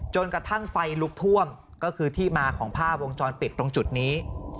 จนกระทั่งไฟลุกท่วมก็คือที่มาของภาพวงจรปิดตรงจุดนี้